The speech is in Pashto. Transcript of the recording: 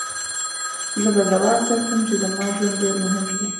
زه به ځواب درکړم چې زما ژوند ډېر مهم دی.